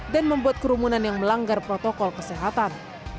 dan membuat kerumunan yang melanggar protokol kesehatan